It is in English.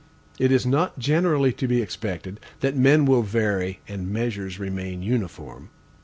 It is not generally to be expected, that men will vary and measures remain uniform.